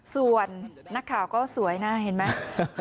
ส่วนนักข่าวก็สวยนะเห็นไหม